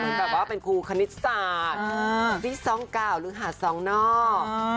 เหมือนแบบว่าเป็นครูคณิตศาสตร์วิทย์สองเก่าหรือหาดสองนอก